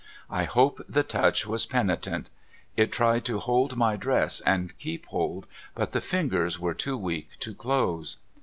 I hope the touch was penitent. It tried to hold my dress and keep hold, but the fingers were too weak to close.